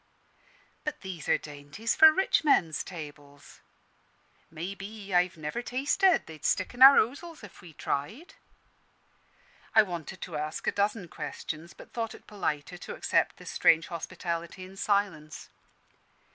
"But these are dainties for rich men's tables." "May be. I've never tasted they'd stick in our ozels if we tried." I wanted to ask a dozen questions, but thought it politer to accept this strange hospitality in silence.